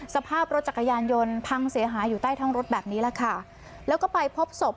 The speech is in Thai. สภาพรถจักรยานยนต์พังเสียหายอยู่ใต้ท้องรถแบบนี้แหละค่ะแล้วก็ไปพบศพ